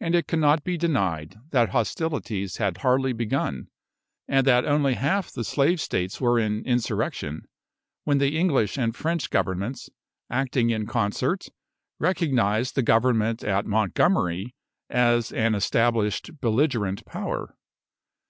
And it cannot be denied that hostilities had hardly begun, and that only half the Slave States were in insurrection, when the English and French Governments, acting in concert, recognised the government at Montgomery as an established belligerent power.